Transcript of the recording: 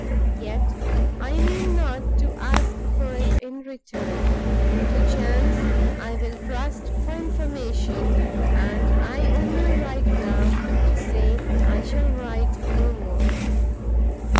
Yet I mean not to ask for it in return; to chance I will trust for information, and I only write now to say I shall write no more.